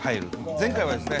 前回はですね